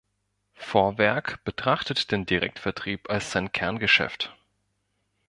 Vorwerk betrachtet den Direktvertrieb als sein Kerngeschäft.